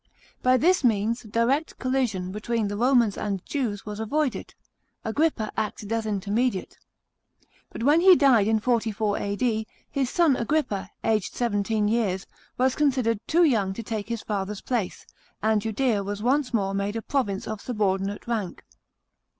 By this means direct collision between the Romans and Jews was avoided ; A»rippa acted as inter mediate. But when he died in 44 A.D., his son Agrippa, aged seven teen years, was considered too young to take his father's place, and Judea was once more made a province of subordinate rank.